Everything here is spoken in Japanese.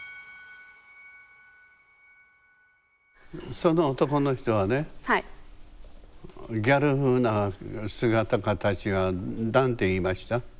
その男の人はねギャル風な姿形は何て言いました？